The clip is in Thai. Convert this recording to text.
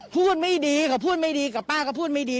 พูดไม่ดีเขาพูดไม่ดีกับป้าก็พูดไม่ดี